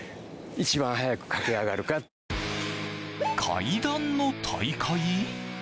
階段の大会？